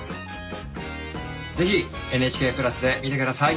ぜひ「ＮＨＫプラス」で見て下さい。